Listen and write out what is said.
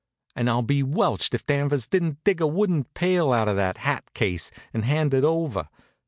And I'll be welched if Danvers didn't dig a wooden pail out of that hat case and hand it over.